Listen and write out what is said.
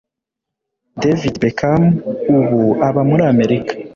David Beckham ubu aba muri Amerika.